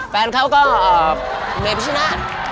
แฟนเขาก็ไม่พิชชนะ